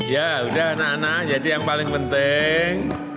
ya udah anak anak jadi yang paling penting